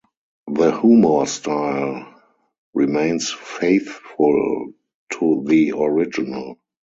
The humour style remains faithful to the original.